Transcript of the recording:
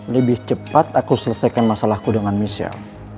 lebih cepat aku selesaikan masalahku dengan michelle